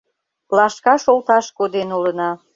Лашка шолташ коден улына.